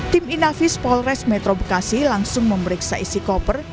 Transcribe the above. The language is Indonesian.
tim inafis polres metro bekasi langsung memeriksa isi koper